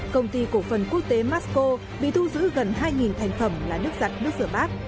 công ty cổ phần quốc tế masco bị thu giữ gần hai thành phẩm là nước giặt nước rửa bát